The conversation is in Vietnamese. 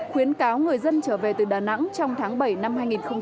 khuyến cáo người dân trở về từ đà nẵng trong tháng bảy năm hai nghìn hai mươi